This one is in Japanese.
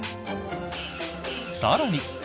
更に。